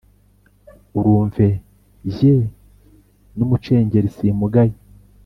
urumve jye n’ umucengeri simugaya: